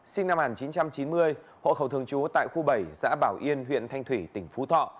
sinh năm một nghìn chín trăm chín mươi hộ khẩu thường trú tại khu bảy xã bảo yên huyện thanh thủy tỉnh phú thọ